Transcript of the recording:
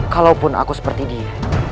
kalaupun aku seperti dia